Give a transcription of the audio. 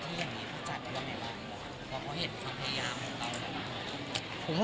เพราะเขาเห็นความพยายามของเรา